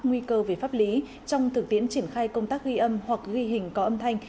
nguy cơ về pháp lý trong thực tiễn triển khai công tác ghi âm hoặc ghi hình có âm thanh